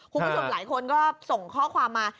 คุณผู้ชมหลายคนก็ส่งข้อความมา